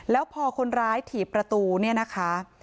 แล้วพอคนร้ายถีบประตูเนี่ยนะคะ